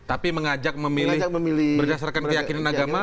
tapi mengajak memilih berdasarkan keyakinan agama